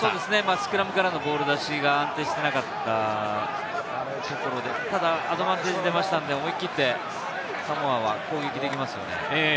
スクラムからのボール出しが安定していなかったところで、ただアドバンテージが出ましたんで、思い切ってサモアは攻撃できますよね。